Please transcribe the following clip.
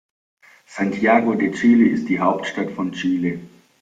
Santiago de Chile ist die Hauptstadt von Chile.